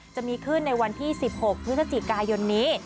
จะมีขึ้นในวันที่๑๖พฤศจิกายนนี้